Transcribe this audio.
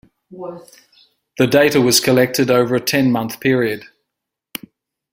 The data were collected over a ten-month period.